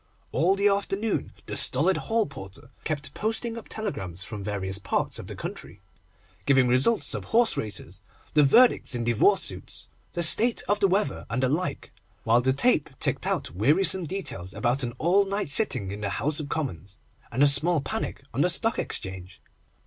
All the afternoon the stolid hall porter kept posting up telegrams from various parts of the country giving the results of horse races, the verdicts in divorce suits, the state of the weather, and the like, while the tape ticked out wearisome details about an all night sitting in the House of Commons, and a small panic on the Stock Exchange.